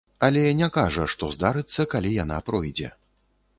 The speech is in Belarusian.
Але не кажа, што здарыцца, калі яна пройдзе.